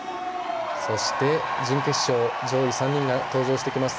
そして、準決勝上位３人が登場してきます。